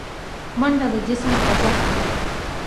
منډه د جسم خوځښت دی